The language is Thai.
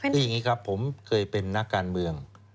คืออย่างนี้ครับผมเคยเป็นนักการเมือง